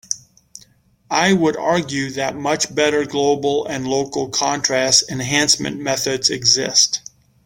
I would argue that much better global and local contrast enhancement methods exist.